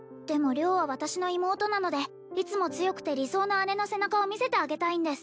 良は私の妹なのでいつも強くて理想の姉の背中を見せてあげたいんです